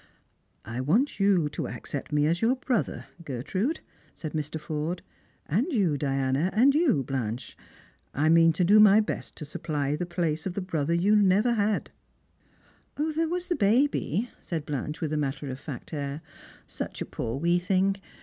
" I want you to accept me as your brother, Gertrude," said Mr, Forde ;" and you Diana, and you, Blanche, I mean to do my best to supply the place of the brother you have never had." "There was the baby," said Blanche, with a matter of fact air ;" »uch a poor wee thing